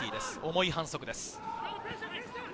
重い反則です。